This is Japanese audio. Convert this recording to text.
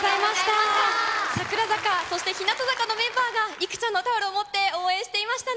櫻坂、そして日向坂のメンバーがいくちゃんのタオルを持って応援していましたね。